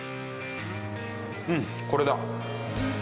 うん、これだ。